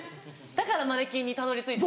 だからマネキンにたどり着いた。